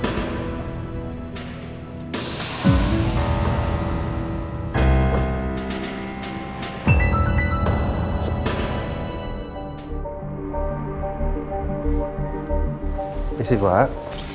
terima kasih pak